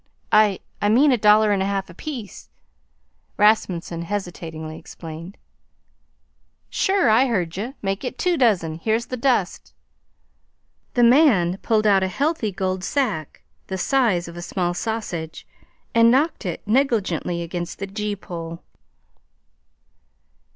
"I I mean a dollar 'n a half apiece," Rasmunsen hesitatingly explained. "Sure. I heard you. Make it two dozen. Here's the dust." The man pulled out a healthy gold sack the size of a small sausage and knocked it negligently against the gee pole.